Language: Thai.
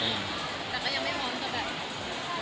แต่ก็ยังไม่พร้อมสำหรับ